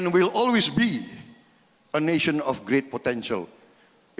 dan akan selalu menjadi negara yang punya potensi besar